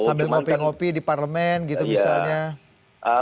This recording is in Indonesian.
sambil ngopi ngopi di parlemen gitu misalnya